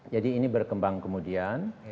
jadi ini berkembang kemudian